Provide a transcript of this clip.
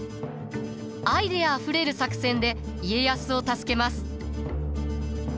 アイデアあふれる作戦で家康を助けます。